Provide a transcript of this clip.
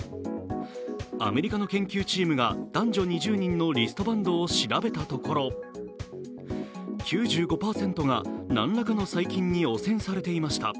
アメリカの研究チームが男女２０人のリストバンドを調べたところ９５％が何らかの細菌に汚染されていました。